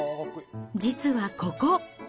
実はここ。